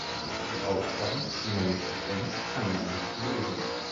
Die Aufgaben, die man nicht erkennt, kann man nicht lösen.